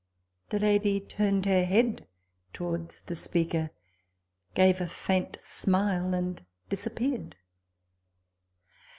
" The lady turned her head towards the speaker, gave a faint smile, and disappeared.